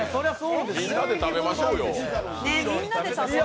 みんなで食べましょうよ。